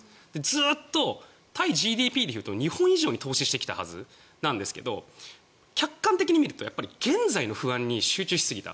ずっと対ＧＤＰ比でいうと日本以上に投資してきたはずなんですが客観的に見ると現在の不安に集中しすぎた。